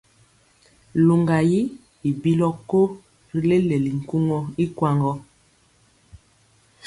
Luŋga yi i bilɔ ko ri leleli nkuŋɔ ikwaŋ gɔ.